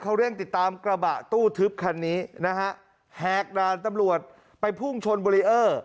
เขาเร่งติดตามกระบะตู้ทึบคันนี้นะฮะแหกด่านตำรวจไปพุ่งชนเบรีเออร์